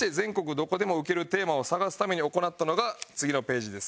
どこでもウケるテーマを探すために行ったのが次のページです。